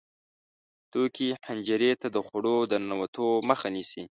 توکې حنجرې ته د خوړو د ننوتو مخه نیسي.